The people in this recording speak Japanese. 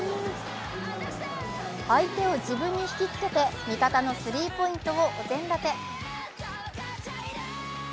相手を自分に引きつけて味方のスリーポイントをお膳立て。